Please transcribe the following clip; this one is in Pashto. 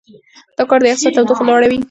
دا کار د یخچال تودوخه لوړوي.